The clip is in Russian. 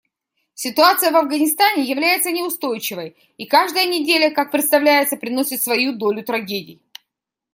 Ситуация в Афганистане является неустойчивой, и каждая неделя, как представляется, приносит свою долю трагедий.